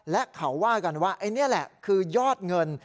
และเขาว่ากันว่าไอ้นี่แหละคือยอดเงิน